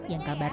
juga perlu dalam